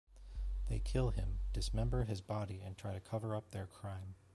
They kill him, dismember his body and try to cover up their crime.